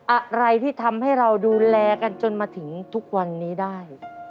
อะไรที่ทำให้เราดูแลกันจนมาถึงทุกวันนี้ได้